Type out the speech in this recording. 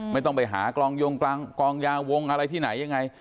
ไม่ต้องไปหากองยงกองยาวงอะไรที่ไหนยังไง